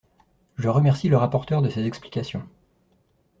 Je remercie le rapporteur de ses explications.